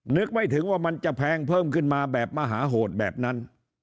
นึกไม่ถึงว่ามันจะแพงเพิ่มขึ้นมาแบบมหาโหดแบบนั้น